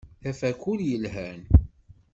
D afakul yelhan.